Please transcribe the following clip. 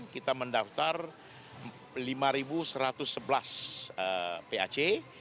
kita mendaftar lima satu ratus sebelas pac